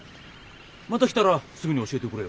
また来たらすぐに教えてくれよ。